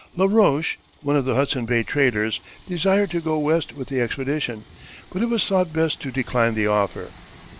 Laroche, one of the Hudson Bay traders, desired to go west with the expedition, but it was thought best to decline the offer.